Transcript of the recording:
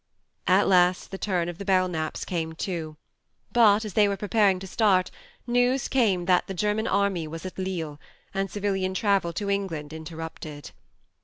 At last the turn of the Belknaps came too ; but, as they were preparing to start, news came that the German THE MARNE 19 army was at Lille, and civilian travel to England interrupted.